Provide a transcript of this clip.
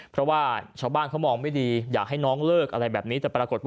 เพราะว่าชาวบ้านเขามองไม่ดีอยากให้น้องเลิกอะไรแบบนี้